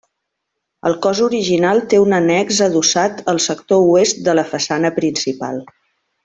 El cos original té un annex adossat al sector oest de la façana principal.